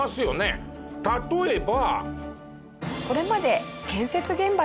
例えば。